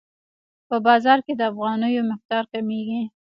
په بازار کې د افغانیو مقدار کمیږي.